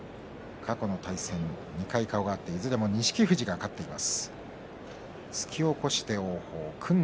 過去の対戦、２回顔が合っていずれも錦富士が勝っています。